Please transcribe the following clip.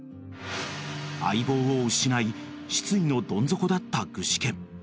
［相棒を失い失意のどん底だった具志堅］